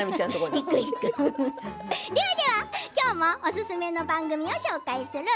ではきょうもおすすめの番組を紹介する。